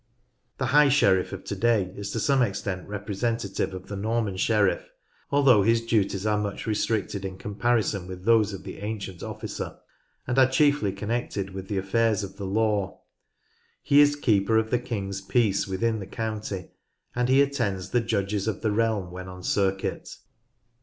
The High Sheriff of to day is to some extent repre sentative of the Norman Sheriff, although his duties are 150 NORTH LANCASHIRE much restricted in comparison with those of the ancient officer, and are chiefly connected with affairs of the law. He is Keeper of the King's Peace within the county, and he attends the judges of the realm when on circuit.